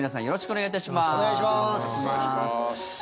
よろしくお願いします。